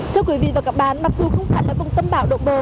thưa quý vị và các bạn mặc dù không phải là vùng tâm bão động bộ